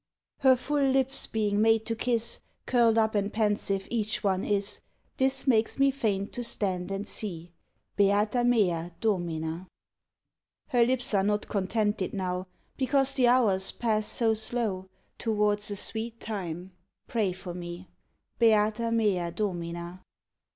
_ Her full lips being made to kiss, Curl'd up and pensive each one is; This makes me faint to stand and see. Beata mea Domina! Her lips are not contented now, Because the hours pass so slow Towards a sweet time: (pray for me), _Beata mea Domina!